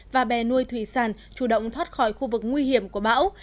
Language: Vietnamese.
và bè nuôi thủy sản chủ động thoát khỏi khu vực nguy hiểm của bão